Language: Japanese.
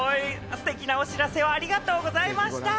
すてきなお知らせをありがとうございました。